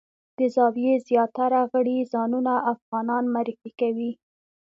د زاویې زیاتره غړي ځانونه افغانان معرفي کوي.